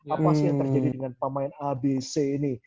apa sih yang terjadi dengan pemain abc ini